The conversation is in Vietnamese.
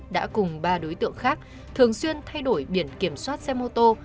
đã cùng ba đối tượng khác thường xuyên thay đổi biển kiểm soát xe mô tô